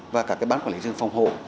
và các bán quản lý rừng phòng hộ